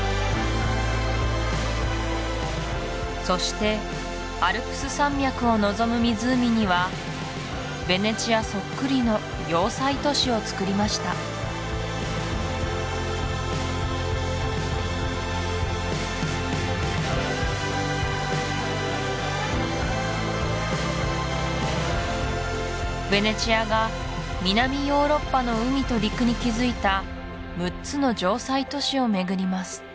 そしてアルプス山脈を望む湖にはヴェネツィアそっくりの要塞都市をつくりましたヴェネツィアが南ヨーロッパの海と陸に築いた６つの城塞都市を巡ります